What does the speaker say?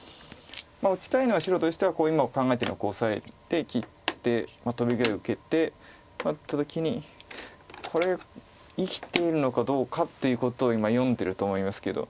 打ちたいのは白としては今考えてるのはオサえて切ってトビぐらい受けてハッた時にこれ生きているのかどうかということを今読んでると思いますけど。